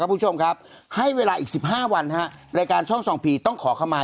คุณผู้ชมครับให้เวลาอีก๑๕วันฮะรายการช่องส่องผีต้องขอเข้ามา